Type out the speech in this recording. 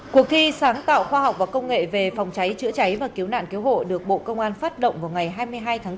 cuộc thi sáng tạo khoa học và công nghệ về phòng cháy chữa cháy và cứu nạn cứu hộ được bộ công an phát động vào ngày hai mươi hai tháng bốn